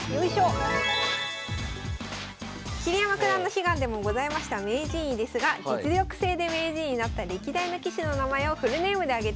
桐山九段の悲願でもございました名人位ですが実力制で名人になった歴代の棋士の名前をフルネームで挙げてください。